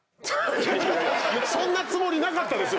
そんなつもりなかったですよ。